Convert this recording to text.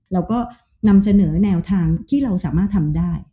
เราก็นำเสนอแนวทางที่เราสามารถทำได้